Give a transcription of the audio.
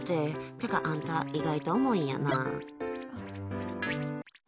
てか、あんた意外と重いんやな。